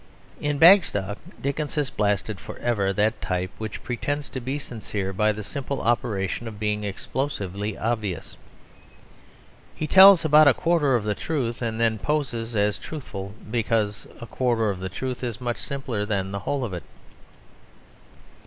In Bagstock Dickens has blasted for ever that type which pretends to be sincere by the simple operation of being explosively obvious. He tells about a quarter of the truth, and then poses as truthful because a quarter of the truth is much simpler than the whole of it.